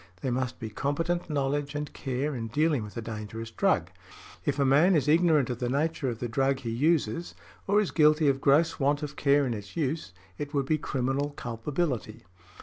There must be competent knowledge and care in dealing with a dangerous drug; if a man is ignorant of the nature of the drug he uses, or is guilty of gross want of care in its use, it would be criminal culpability .